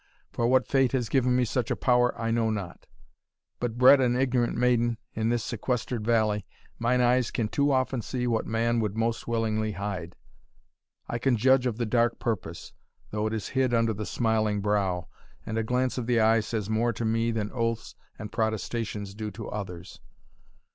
For what fate has given me such a power I know not; but bred an ignorant maiden, in this sequestered valley, mine eyes can too often see what man would most willingly hide I can judge of the dark purpose, though it is hid under the smiling brow, and a glance of the eye says more to me than oaths and protestations do to others."